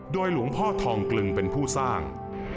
หลวงพ่อทองกลึงเป็นผู้สร้าง